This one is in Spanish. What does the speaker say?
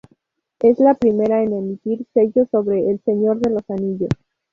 Es la primera en emitir sellos sobre "El Señor de los Anillos".